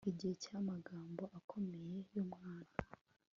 igihe cyamagambo akomeye yumwana